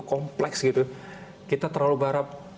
kompleks gitu kita terlalu berharap